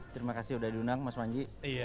terima kasih sudah diundang mas panji